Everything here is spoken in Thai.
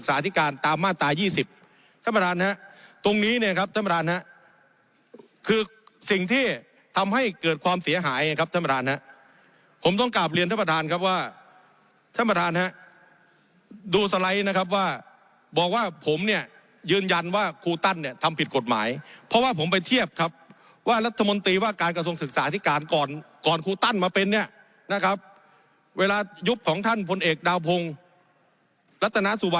สิ่งที่ทำให้เกิดความเสียหายครับท่านประธานครับผมต้องกลับเรียนท่านประธานครับว่าท่านประธานครับดูสไลนะครับว่าบอกว่าผมเนี่ยยืนยันว่าครูตั้นเนี่ยทำผิดกฎหมายเพราะว่าผมไปเทียบครับว่ารัฐมนตรีว่าการกระทรวงศึกษาอธิการก่อนก่อนครูตั้นมาเป็นเนี่ยนะครับเวลายุบของท่านผลเอกดาวพงรัฐนา